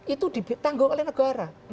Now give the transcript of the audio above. itu ditanggung oleh negara